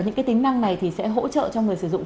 những cái tính năng này thì sẽ hỗ trợ cho người sử dụng